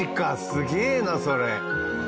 すげえなそれ。